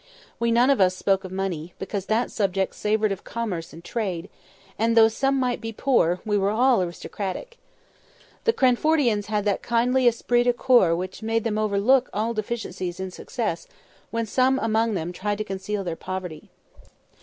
We none of us spoke of money, because that subject savoured of commerce and trade, and though some might be poor, we were all aristocratic. The Cranfordians had that kindly esprit de corps which made them overlook all deficiencies in success when some among them tried to conceal their poverty.